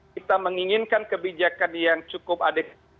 kita menginginkan kebijakan yang cukup adeg